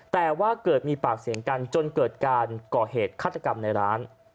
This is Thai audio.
แต่ว่าเกิดมีปากเสียงกันจนเกิดการก่อเหตุฆาตกรรมในร้าน